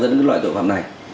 trong những loại tội phạm này